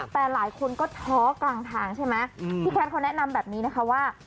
แต่หลายคนก็ท้อกลางทางใช่ไหมพี่แคทเขาแนะนำแบบนี้นะคะว่า